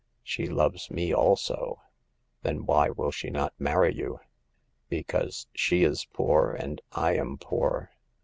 She loves me also." " Then why will she not marry you ?"" Because she is poor and I am poor.